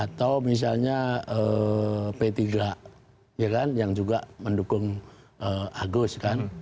atau misalnya p tiga ya kan yang juga mendukung agus kan